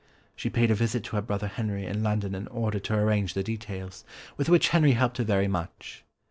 She paid a visit to her brother Henry in London in order to arrange the details, with which Henry helped her very much.